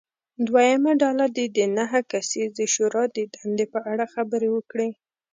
دویمه ډله دې د نهه کسیزې شورا د دندې په اړه خبرې وکړي.